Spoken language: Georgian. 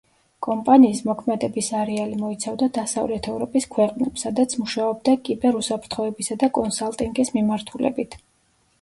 კომპანიის მოქმედების არეალი მოიცავდა დასავლეთ ევროპის ქვეყნებს, სადაც მუშაობდა კიბერ უსაფრთხოებისა და კონსალტინგის მიმართულებით.